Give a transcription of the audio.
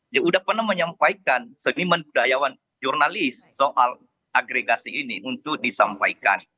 dia sudah pernah menyampaikan seniman budayawan jurnalis soal agregasi ini untuk disampaikan